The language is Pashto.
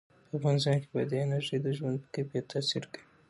په افغانستان کې بادي انرژي د ژوند په کیفیت تاثیر کوي.